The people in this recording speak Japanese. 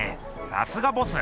さすがボス。